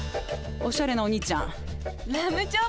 おしゃれなお兄ちゃん。